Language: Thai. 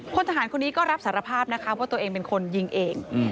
พลทหารคนนี้ก็รับสารภาพนะคะว่าตัวเองเป็นคนยิงเอง